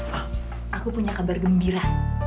wow aku punya kabar gembira